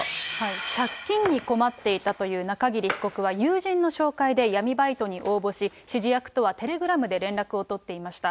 借金に困っていたという中桐被告は、友人の紹介で闇バイトに応募し、指示役とはテレグラムで連絡を取っていました。